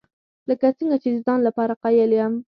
لکه څنګه چې د ځان لپاره قایل یم.